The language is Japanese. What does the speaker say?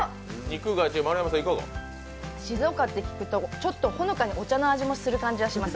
静岡って聞くと、ほのかにお茶の味もするような感じがします。